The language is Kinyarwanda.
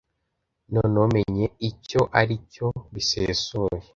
Noneho menye icyo aricyo bisesuye